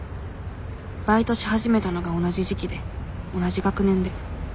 バイトし始めたのが同じ時期で同じ学年で。